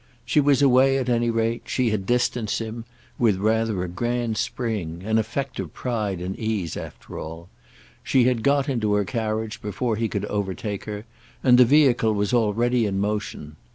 She was away at any rate; she had distanced him—with rather a grand spring, an effect of pride and ease, after all; she had got into her carriage before he could overtake her, and the vehicle was already in motion.